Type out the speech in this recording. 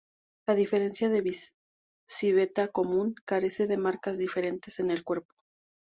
A diferencia de civeta común, carece de marcas diferentes en el cuerpo.